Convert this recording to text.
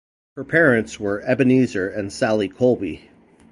Her parents were Ebenezer and Sally Colby.